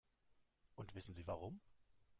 Und wissen Sie warum?